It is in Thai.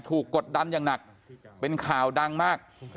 กดดันอย่างหนักเป็นข่าวดังมาก